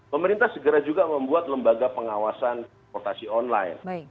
pemerintah segera juga membuat lembaga pengawasan potasi online